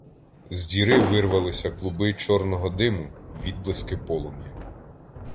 З діри вирвалися клуби чорного диму, відблиски полум'я.